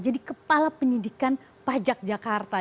jadi kepala penyidikan pajak jakarta